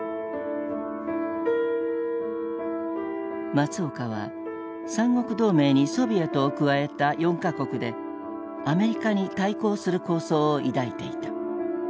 松岡は三国同盟にソビエトを加えた４か国でアメリカに対抗する構想を抱いていた。